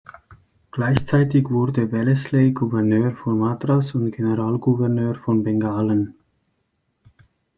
Gleichzeitig wurde Wellesley Gouverneur von Madras und Generalgouverneur von Bengalen.